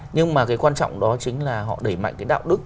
nhưng mà cái quan trọng đó chính là họ đẩy mạnh cái đạo đức